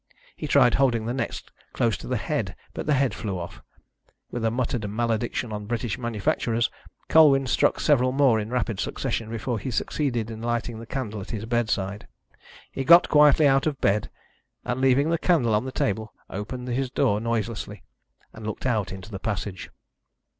He tried holding the next close to the head, but the head flew off. With a muttered malediction on British manufacturers, Colwyn struck several more in rapid succession before he succeeded in lighting the candle at his bedside. He got quietly out of bed, and, leaving the candle on the table, opened his door noiselessly and looked out into the passage.